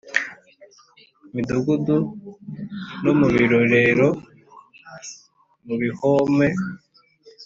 Midugudu no mu birorero no mu bihome